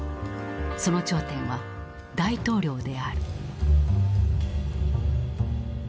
その頂点は大統領である。